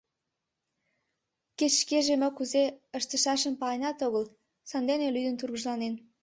Кеч шкеже мо кузе ыштышашым паленат огыл, сандене лӱдын тургыжланен.